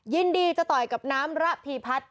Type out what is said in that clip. ยินดีจะต่อยกับน้ำระพีพัฒน์